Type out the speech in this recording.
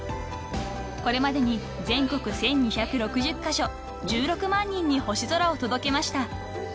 ［これまでに全国１，２６０カ所１６万人に星空を届けました］